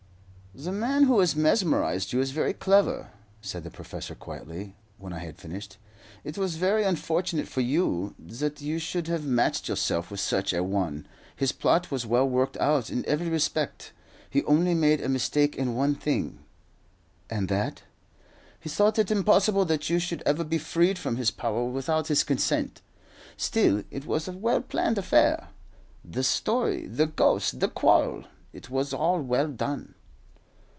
"That man who mesmerized you is very clever," said the professor quietly, when I had finished. "It was very unfortunate for you that you should have matched yourself with such a one. His plot was well worked out in every respect. He only made a mistake in one thing." "And that?" "He thought it impossible that you should ever be freed from his power without his consent. Still it was a well planned affair. The story, the ghost, the quarrel it was all well done."